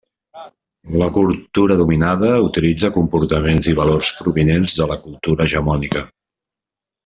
La cultura dominada utilitza comportaments i valors provinents de la cultura hegemònica.